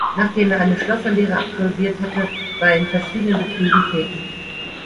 Nachdem er eine Schlosserlehre absolviert hatte, war er in verschiedenen Betrieben tätig.